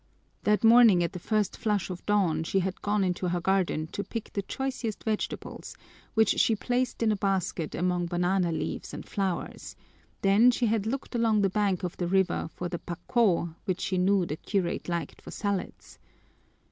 That morning at the first flush of dawn she had gone into her garden to pick the choicest vegetables, which she placed in a basket among banana leaves and flowers; then she had looked along the bank of the river for the pakó which she knew the curate liked for salads.